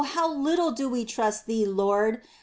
How little do we trust Thee, Lord